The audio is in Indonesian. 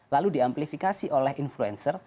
lalu di amplifikasi oleh influencer